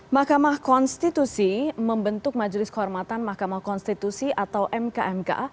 mahkamah konstitusi membentuk majelis kehormatan mahkamah konstitusi atau mkmk